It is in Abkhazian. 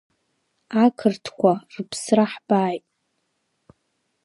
Ақырҭқәа рԥсра ҳбааит!